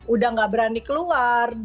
udah enggak berani keluar